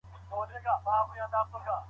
ارواپوهنه د فرد په باطن کي پر پېښو ټينګار کوي.